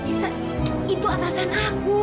mirza itu atasan aku